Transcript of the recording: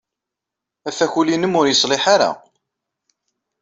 Afakul-nnem ur yeṣliḥ ara.